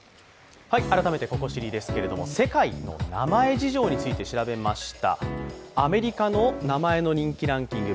改めて「ココ知り」ですけれども世界の名前事情について調べてみました。